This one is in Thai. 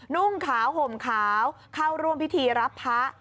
นุ่งขาวห่มขาวเข้าร่วมพิธีรับพระ